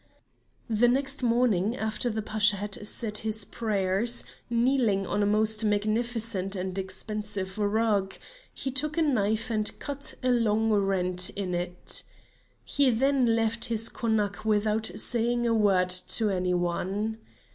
The next morning after the Pasha had said his prayers kneeling on a most magnificent and expensive rug, he took a knife and cut a long rent in it. He then left his Konak without saying a word to any one.